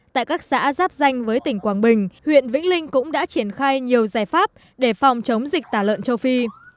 tại các xã giáp danh với tỉnh quảng bình huyện vĩnh linh cũng đã triển khai nhiều giải pháp để phòng chống dịch tả lợn châu phi